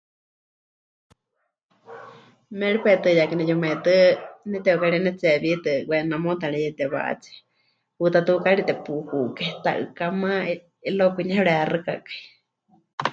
Méripai tɨ yaakɨ neyumaitɨ́ neteukari pɨnetsihewiitɨ Huaynamota mɨreyetewátsie, huutatukaari tepuhukai ta'ɨkamá y luego kwinie pɨrexɨkakai.